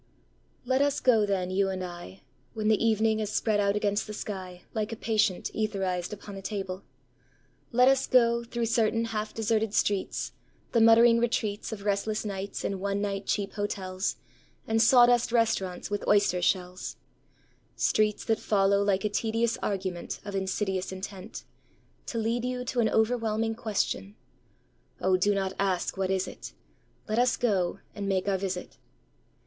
LET us go then, you and I,When the evening is spread out against the skyLike a patient etherized upon a table; Let us go, through certain half deserted streets, The muttering retreatsOf restless nights in one night cheap hotelsAnd sawdust restaurants with oyster shells:Streets that follow like a tedious argumentOf insidious intentTo lead you to an overwhelming question….Oh, do not ask, "What is it?"Let us go and make our visit.